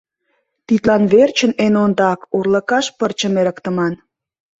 Тидлан верчын эн ондак урлыкаш пырчым эрыктыман.